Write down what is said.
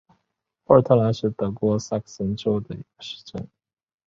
霍尔特兰是德国下萨克森州的一个市镇。